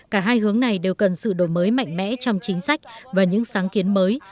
cả hai hướng này đều cần sự đổi mới mạnh mẽ trong chính sách và những sáng kiến mới